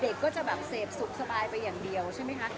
ก็จะแบบเสพสุขสบายไปอย่างเดียวใช่ไหมคะ